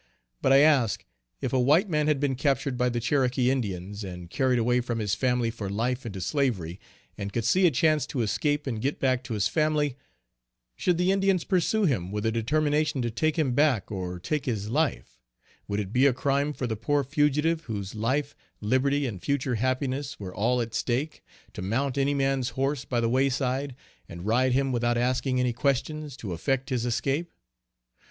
But I ask, if a white man had been captured by the Cherokee Indians and carried away from his family for life into slavery, and could see a chance to escape and get back to his family; should the Indians pursue him with a determination to take him back or take his life, would it be a crime for the poor fugitive, whose life, liberty, and future happiness were all at stake, to mount any man's horse by the way side, and ride him without asking any questions, to effect his escape?